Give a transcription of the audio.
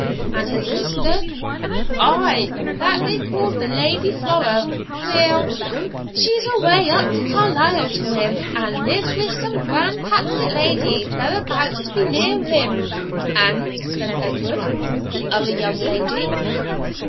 'And his sister?' 'Ay, that they ca'd the Lady Flora weel, she's away up to Carlisle to him, and lives wi' some grand Papist lady thereabouts to be near him.' 'And,' said Edward,'the other young lady?'